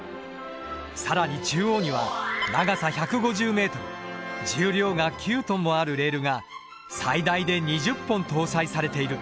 更に中央には長さ１５０ｍ重量が９ｔもあるレールが最大で２０本搭載されている。